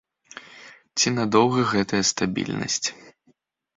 Ці надоўга гэтая стабільнасць?